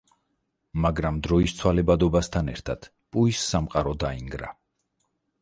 მაგრამ დროის ცვალებადობასთან ერთად პუის სამყარო დაინგრა.